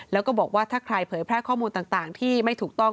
แล้วก็บอกว่าถ้าใครเผยแพร่ข้อมูลต่างที่ไม่ถูกต้อง